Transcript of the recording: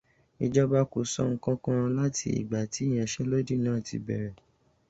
Ìjọba kò sọ ìkankan láti ìgbàtí ìyanṣẹ́lódì náà ti bẹ̀rẹ̀.